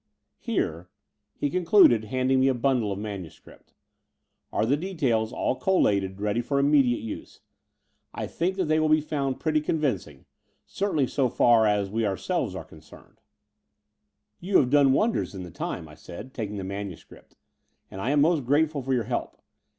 Here," he concluded, handing me a bundle of manuscript, ''are the de tails all collated, ready for immediate use. I think that they will be found pretty convincing — cer tainly so far as we ourselves are concerned ."You have done wonders in the time," I said, taking the manuscript; ''and I am most grateful for your help.